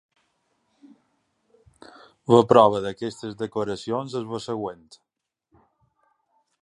La prova d'aquestes declaracions és la següent.